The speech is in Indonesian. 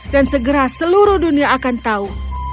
dan segera seluruh dunia akan tahu